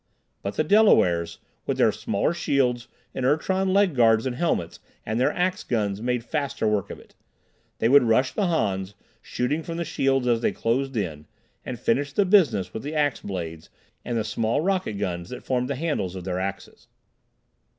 But the Delawares, with their smaller shields, inertron leg guards and helmets, and their ax guns, made faster work of it. They would rush the Hans, shooting from their shields as they closed in, and finish the business with their ax blades and the small rocket guns that formed the handles of their axes.